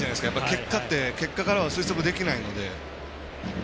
結果って、結果からは推測できないので。